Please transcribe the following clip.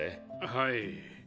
はい。